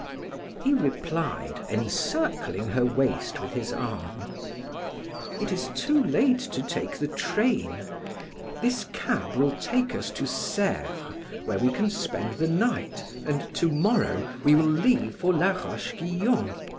He replied, encircling her waist with his arm: "It is too late to take the train; this cab will take us to Sevres where we can spend the night, and to morrow we will leave for La Roche Guyon.